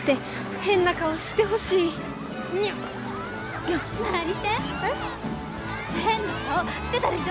変な顔してたでしょ？